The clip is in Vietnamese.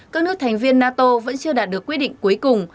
các nước thành viên nato vẫn chưa đạt được quyết định cuối cùng